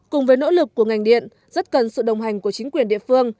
cùng với nỗ lực của ngành điện rất cần sự đồng hành của chính quyền địa phương